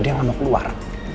dia gak mau keluar